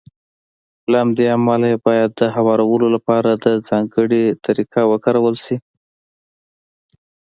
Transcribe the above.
له همدې امله يې بايد د هوارولو لپاره ځانګړې طريقه وکارول شي.